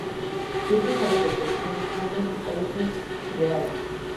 Sirve para protección de suelos y cauces de agua.